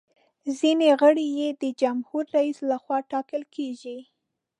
ځینې غړي یې د جمهور رئیس لخوا ټاکل کیږي.